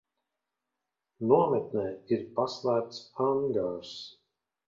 Nometnē ir paslēpts angārs.